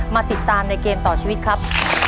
มาติดตามในเกมต่อชีวิตครับ